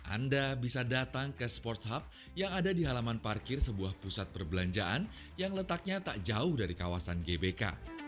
anda bisa datang ke sport hub yang ada di halaman parkir sebuah pusat perbelanjaan yang letaknya tak jauh dari kawasan gbk